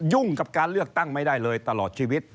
กับการเลือกตั้งไม่ได้เลยตลอดชีวิต